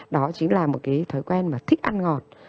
đó chính là một cái thói quen mà thích ăn ngọt